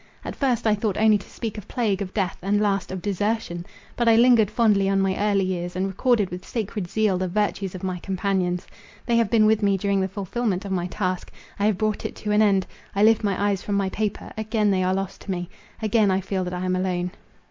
At first I thought only to speak of plague, of death, and last, of desertion; but I lingered fondly on my early years, and recorded with sacred zeal the virtues of my companions. They have been with me during the fulfilment of my task. I have brought it to an end—I lift my eyes from my paper—again they are lost to me. Again I feel that I am alone.